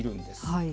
はい。